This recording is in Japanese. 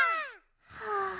はあ